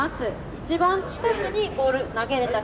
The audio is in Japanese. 一番近くにボール投げれた人勝ちです。